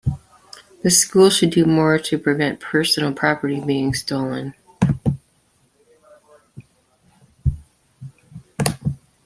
The school should do more to prevent personal property being stolen.